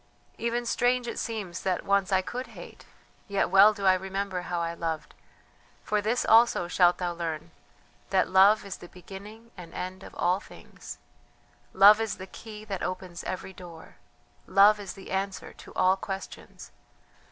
Even strange it seems that once I could hate; yet well do I remember how I loved; for this also shalt thou learn: that Love is the beginning and end of all things. "Love is the key that opens every door. Love is the answer to all questions.